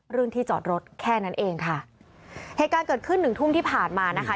เรื่องที่จอดรถแค่นั้นเองค่ะเหตุการณ์เกิดขึ้นหนึ่งทุ่มที่ผ่านมานะคะ